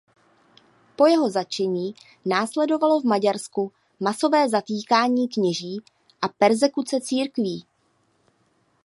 Po jeho zatčení následovalo v Maďarsku masové zatýkání kněží a perzekuce církví.